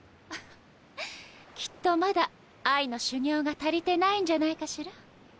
フッきっとまだ愛の修業が足りてないんじゃないかしら。